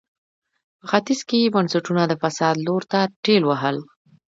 په ختیځ کې یې بنسټونه د فساد لور ته ټېل وهل.